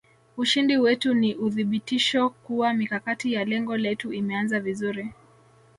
Ushindi wetu ni uthibitisho kuwa mikakati ya lengo letu imeanza vizuri